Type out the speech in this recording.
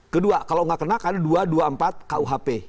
kedua kalau nggak kena karena dua ratus dua puluh empat kuhp